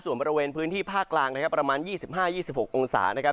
ส่วนบริเวณพื้นที่ภาคกลางนะครับประมาณ๒๕๒๖องศานะครับ